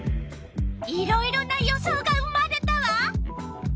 いろいろな予想が生まれたわ。